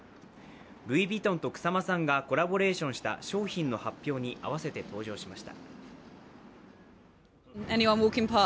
ルイ・ヴィトンと草間さんがコラボレーションした商品の発表に合わせて登場しました。